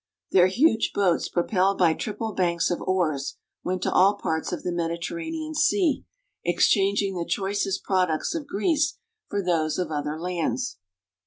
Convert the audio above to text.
Their huge boats, propelled by triple banks of oars, went to all parts of the Mediterranean Sea, exchanging the choicest products of Greece for those of other lands.